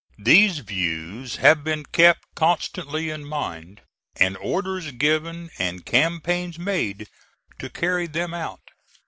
These views have been kept constantly in mind, and orders given and campaigns made to carry them out.